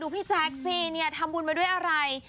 ดูพี่แจ๊กซ์ซีเนี่ยทำบุญไปด้วยอะไร